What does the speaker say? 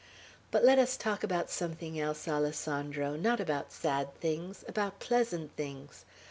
"But let us talk about something else, Alessandro; not about sad things, about pleasant things.